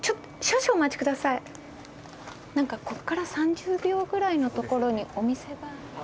何かこっから３０秒ぐらいの所にお店が。